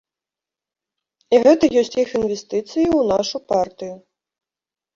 І гэта ёсць іх інвестыцыі ў нашу партыю.